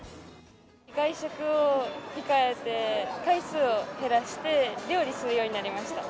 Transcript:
外食を控えて、回数を減らして、料理するようになりました。